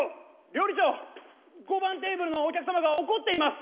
料理長５番テーブルのお客様が怒っています。